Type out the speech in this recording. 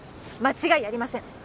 間違いありません